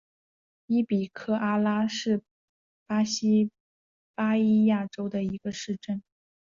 伊比科阿拉是巴西巴伊亚州的一个市镇。